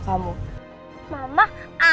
kalunya putus gara gara kamu